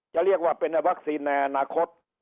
จะเรียกว่าเป็นวัคซีนในอนาคต